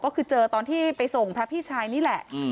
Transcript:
ก็คือเจอตอนที่ไปส่งพระพี่ชายนี่แหละ